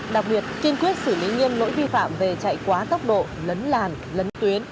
đặc biệt kiên quyết xử lý nghiêm lỗi vi phạm về chạy quá tốc độ lấn làn lấn tuyến